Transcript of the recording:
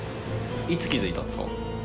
いつ気づいたんですか？